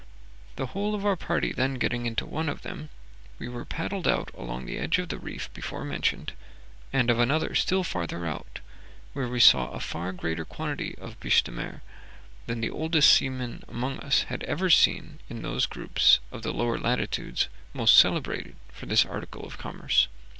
The whole of our party then getting into one of them, we were paddled along the edge of the reef before mentioned, and of another still farther out, where we saw a far greater quantity of biche de mer than the oldest seamen among us had ever seen in those groups of the lower latitudes most celebrated for this article of commerce.